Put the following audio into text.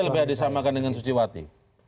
setuju lpa disamakan dengan suciwati